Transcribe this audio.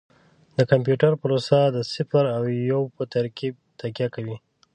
د کمپیوټر پروسه د صفر او یو په ترکیب تکیه کوي.